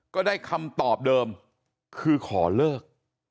ก็ได้คำตอบเดิมคือขอเลิก